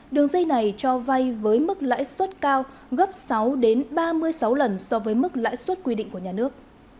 đường dây này cho vay với mức lãi suất cao gấp sáu ba mươi sáu lần so với mức lãi suất quy định của nhà nước